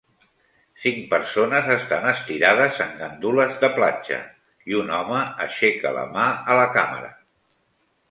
Cinc persones estan estirades en gandules de platja i un home aixeca la mà a la càmera